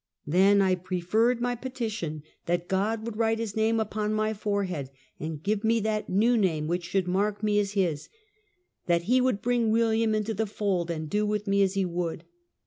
Then I preferred my petition, that God would write his name upon my foreliead, and eive me that " new name" which should mark me as his; that he would bring William into the fold, and do with me as he would.